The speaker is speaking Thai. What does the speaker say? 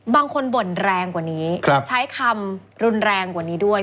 บ่นแรงกว่านี้ใช้คำรุนแรงกว่านี้ด้วย